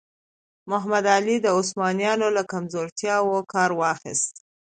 محمد علي د عثمانیانو له کمزورتیاوو کار واخیست.